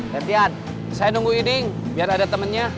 lentian saya nunggu ini biar ada temennya